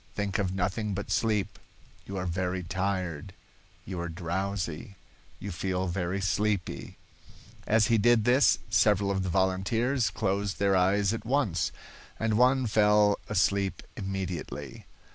Think of nothing but sleep. You are very tired. You are drowsy. You feel very sleepy." As he did this, several of the volunteers closed their eyes at once, and one fell asleep immediately.